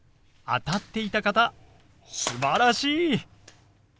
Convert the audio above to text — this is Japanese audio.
当たっていた方すばらしい！